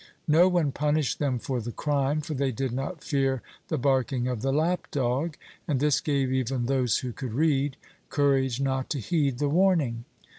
No one punished them for the crime, for they did not fear the barking of the lap dog, and this gave even those who could read, courage not to heed the warning.